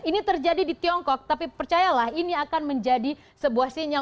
ini terjadi di tiongkok tapi percayalah ini akan menjadi sebuah sinyal